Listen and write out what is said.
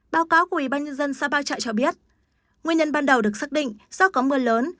báo cáo của ủy ban nhân dân sapa chạy cho biết nguyên nhân ban đầu được xác định do có mưa lớn